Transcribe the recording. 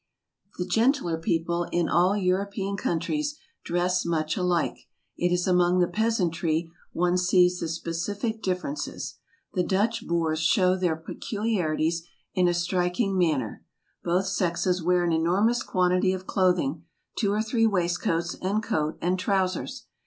The genteeler people in all European coun¬ tries dress much alike ; it is among the peasantry <?no scca the Specific differences*. The Dutch boors shew their peculiarities in a striking man¬ ner. Both sexes wear an enormous quantity of clothing, two or three waistcoats, and coat, and trowsers.